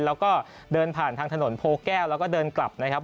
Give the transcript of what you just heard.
แล้วก็เดินผ่านทางถนนโพแก้วแล้วก็เดินกลับนะครับ